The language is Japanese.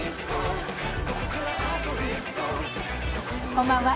こんばんは。